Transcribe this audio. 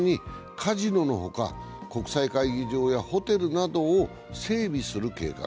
洲に国際会議場やホテルなどを整備する計画。